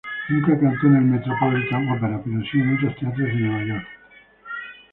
Nunca cantó en el Metropolitan Opera pero si en otros teatros de Nueva York.